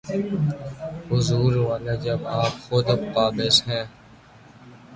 حضور والا، جب آپ خود قابض ہیں۔